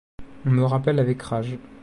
On me rappelle avec rage.